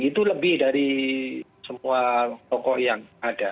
itu lebih dari semua tokoh yang ada